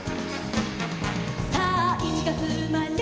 「さあいちがつうまれ」「」